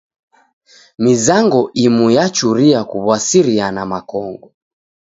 Mizango imu yachuria kuw'asiriana makongo.